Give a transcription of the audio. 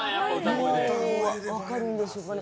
分かるんでしょうかね。